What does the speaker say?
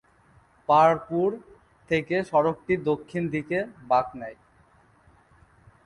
পাহাড়পুর থেকে সড়কটি দক্ষিণ দিকে বাঁক নেয়।